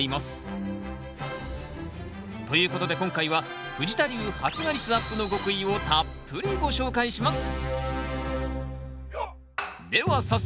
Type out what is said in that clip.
ということで今回は藤田流発芽率アップの極意をたっぷりご紹介します！